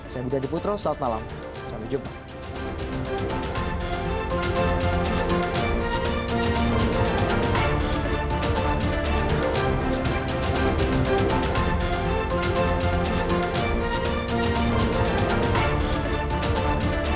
saya budi adiputro salam malam